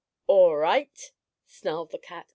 "All right!" snarled the cat.